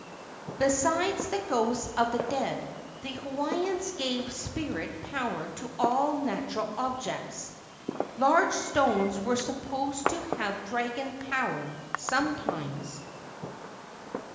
Besides the ghosts of the dead, the Hawaiians gave spirit power to all natural objects. Large stones were supposed to have dragon power sometimes.